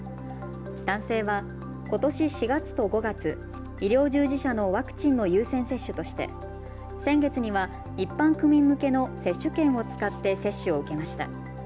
男性は、ことし４月と５月、医療従事者のワクチンの優先接種として、先月には一般区民向けの接種券を使って接種を受けました。